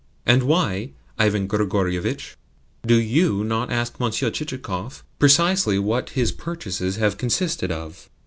"And why, Ivan Grigorievitch, do YOU not ask Monsieur Chichikov precisely what his purchases have consisted of?